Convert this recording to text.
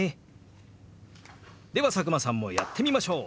では佐久間さんもやってみましょう！